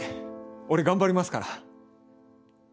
俺頑張りますから。